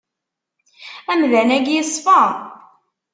Amdan-agi yeṣfa.